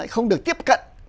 không được tiếp cận